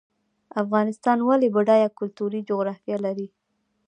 افغانستان ولې بډایه کلتوري جغرافیه لري؟